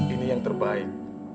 ini yang terbaik